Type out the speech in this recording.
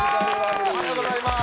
おはようございます